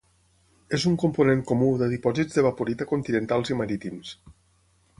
És un component comú de dipòsits d'evaporita continentals i marítims.